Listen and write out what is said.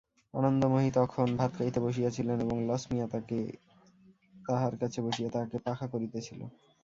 আনন্দময়ী তখন ভাত খাইতে বসিয়াছিলেন এবং লছমিয়া তাঁহার কাছে বসিয়া তাঁহাকে পাখা করিতেছিল।